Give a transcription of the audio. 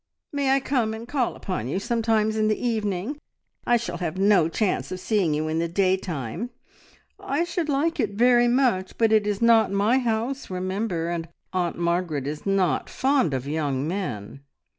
"May I come and call upon you sometimes in the evening? I shall have no chance of seeing you in the daytime." "I should like it very much, but it is not my house, remember, and Aunt Margaret is not fond of young men."